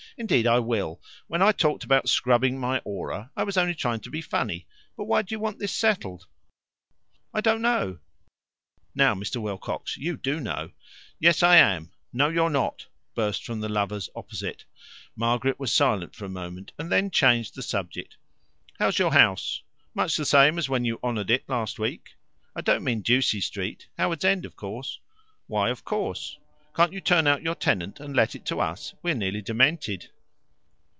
"Indeed, I will. When I talked about scrubbing my aura, I was only trying to be funny. But why do you want this settled?" "I don't know." "Now, Mr. Wilcox, you do know." "Yes, I am," "No, you're not," burst from the lovers opposite. Margaret was silent for a moment, and then changed the subject. "How's your house?" "Much the same as when you honoured it last week." "I don't mean Ducie Street. Howards End, of course." "Why 'of course'?" "Can't you turn out your tenant and let it to us? We're nearly demented."